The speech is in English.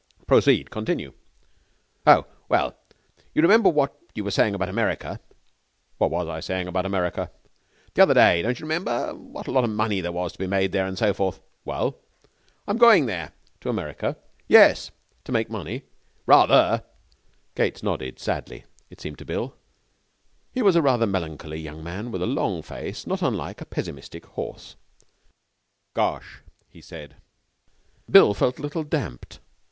'Proceed. Continue.' 'Oh! Well, you remember what you were saying about America?' 'What was I saying about America?' 'The other day, don't you remember? What a lot of money there was to be made there and so forth.' 'Well?' 'I'm going there.' 'To America?' 'Yes.' 'To make money?' 'Rather.' Gates nodded sadly, it seemed to Bill. He was rather a melancholy young man, with a long face not unlike a pessimistic horse. 'Gosh!' he said. Bill felt a little damped.